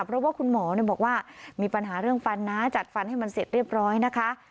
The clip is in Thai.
เพราะว่าคุณหมอบอกว่ามีปัญหาเรื่องฟันนะจัดฟันให้มันเสร็จเรียบร้อยนะคะ